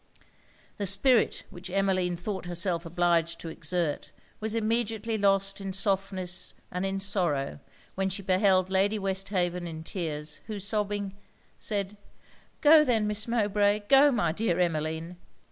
The spirit which Emmeline thought herself obliged to exert, was immediately lost in softness and in sorrow when she beheld Lady Westhaven in tears; who, sobbing, said 'Go then, Miss Mowbray! Go, my dear Emmeline!